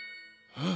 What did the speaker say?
うん！